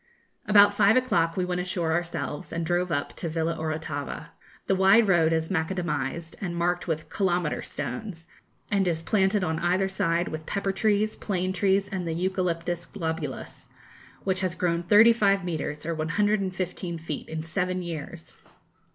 About five o'clock we went ashore ourselves, and drove up to Villa Orotava. The wide road is macadamised and marked with kilometre stones, and is planted on either side with pepper trees, plane trees, and the Eucalyptus globulus, which has grown 35 metres, or 115 feet, in seven years.